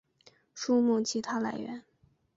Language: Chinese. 书目其它来源